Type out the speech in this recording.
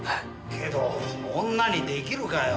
けど女に出来るかよ？